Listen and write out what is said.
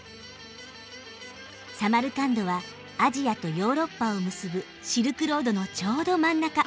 サマルカンドはアジアとヨーロッパを結ぶシルクロードのちょうど真ん中。